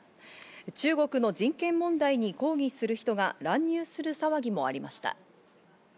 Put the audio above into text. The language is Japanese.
中国の人権問題に抗議する人が乱入する騒ぎもありました。